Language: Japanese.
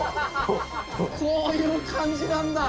こういう感じなんだ！